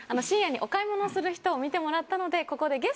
深夜にお買い物する人を見てもらったのでここで。